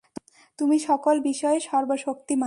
তুমি সকল বিষয়ে সর্বশক্তিমান।